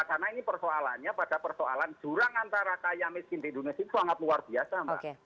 karena ini persoalannya pada persoalan jurang antara kaya miskin di indonesia itu sangat luar biasa mbak